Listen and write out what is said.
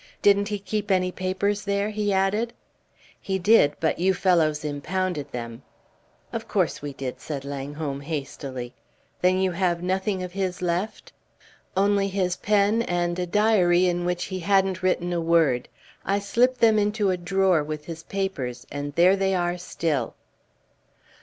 "Didn't he keep any papers here?" he added. "He did, but you fellows impounded them." "Of course we did," said Langholm, hastily. "Then you have nothing of his left?" "Only his pen, and a diary in which he hadn't written a word. I slipped them into a drawer with his papers, and there they are still."